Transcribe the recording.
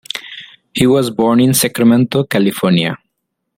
He was born in Sacramento, California.